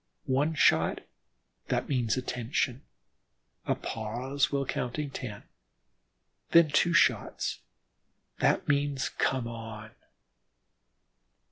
One shot: that means "attention," a pause while counting ten, then two shots: that means "come on."